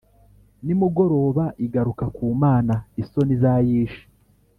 nimugoroba igaruka ku mana isoni zayishe,